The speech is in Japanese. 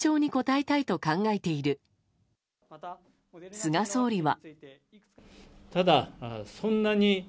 菅総理は。